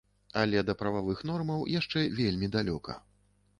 Але да прававых нормаў яшчэ вельмі далёка.